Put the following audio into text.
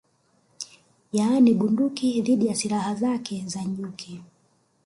Yaani bunduki dhidi ya silaha zake za nyuki